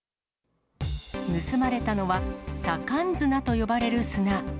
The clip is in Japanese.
盗まれたのは、左官砂と呼ばれる砂。